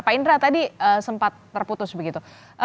pak indra tadi sempat terputus begitu